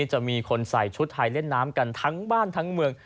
จะมีคนใส่ชุดไทยเล่นน้ำกันทั้งบ้านทั้งเมือง